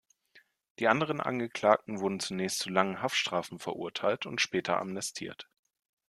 Die anderen Angeklagten wurden zunächst zu langen Haftstrafen verurteilt und später amnestiert.